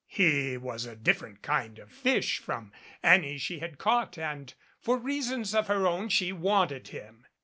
He was a different kind of fish from any she had caught and for reasons of her own she wanted him.